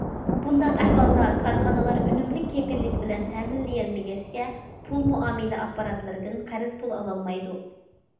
بۇنداق ئەھۋالدا كارخانىلار ئۈنۈملۈك كېپىللىك بىلەن تەمىنلىيەلمىگەچكە، پۇل مۇئامىلە ئاپپاراتلىرىدىن قەرز پۇل ئالالمايدۇ.